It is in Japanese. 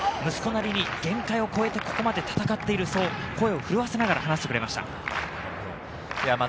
息子なりに限界を超えてここまで戦っていると声を震わせながら話してくれました。